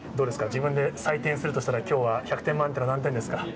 自分で採点するとしたら、きょうは１００点満点の何点ですか？